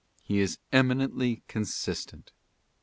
He is eminently consistent.